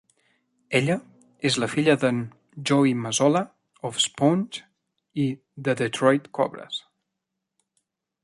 Ella és la fila de"n Joey Mazzola of Sponge i The Detroit Cobras.